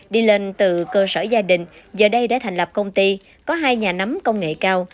đi lên từ cơ sở gia đình giờ đây đã thành lập công ty có hai nhà nắm công nghệ cao